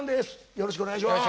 よろしくお願いします。